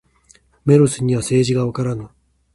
メロスには政治がわからぬ。